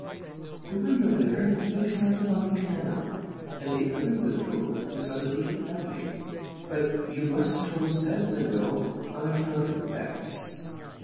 " The window there looks out upon the canal, and the other window opens on a little alley. But you must close that window on account of the bats.